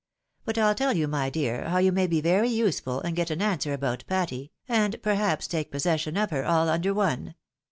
But I'U tell you, my dear, how you may be very useful and get an answer about Patty, and, per haps, take possession of her, all under one.